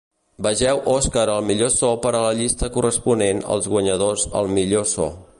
Vegeu Oscar al millor so per a la llista corresponent als guanyadors al millor so.